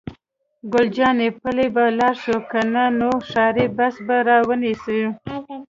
ګل جانې: پلي به ولاړ شو، که نه نو ښاري بس به را ونیسو.